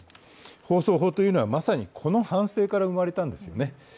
放送法というのは、まさにこの反省から生まれたんですね。